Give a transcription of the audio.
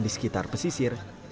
di sekitar pesisirnya